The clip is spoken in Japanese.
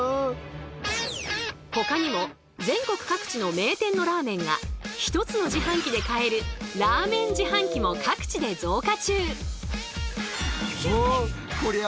ほかにも全国各地の名店のラーメンが１つの自販機で買えるラーメン自販機も各地で増加中。